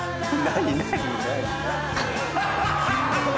何？